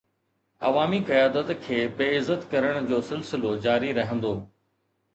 عوامي قيادت کي بي عزت ڪرڻ جو سلسلو جاري رهندو.